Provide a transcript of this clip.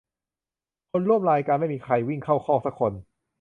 คนร่วมรายการไม่มีใครวิ่งเข้าคอกสักคน